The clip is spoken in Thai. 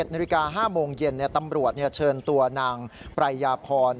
นาฬิกา๕โมงเย็นตำรวจเชิญตัวนางปรายยาพร